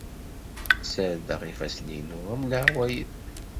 Ssardeɣ ifassen-inu am leɛwayed.